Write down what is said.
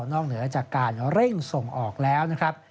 เหนือจากการเร่งส่งออกแล้วนะครับ